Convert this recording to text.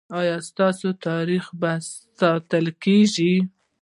ایا ستاسو تاریخ به ساتل کیږي؟